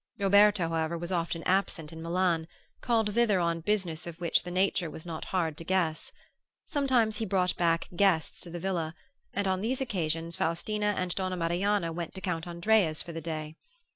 Roberto, however, was often absent in Milan, called thither on business of which the nature was not hard to guess. Sometimes he brought back guests to the villa; and on these occasions Faustina and Donna Marianna went to Count Andrea's for the day.